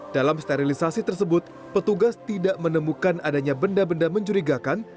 dalam sterilisasi tersebut petugas tidak menemukan adanya benda benda mencurigakan